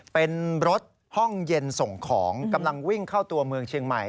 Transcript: เป็นรถห้องเย็นส่งของกำลังวิ่งเข้าตัวเมืองเชียงใหม่